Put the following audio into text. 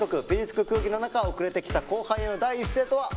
つく空気の中遅れてきた後輩への第一声とは？